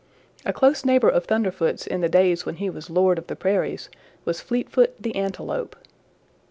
"A close neighbor of Thunderfoot's in the days when he was Lord of the Prairies was Fleetfoot the Antelope.